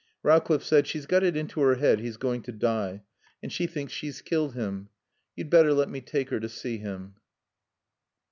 Rowcliffe said: "She's got it into her head he's going to die, and she thinks she's killed him. You'd better let me take her to see him."